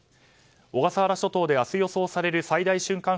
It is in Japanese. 小笠原諸島で明日予想される最大瞬間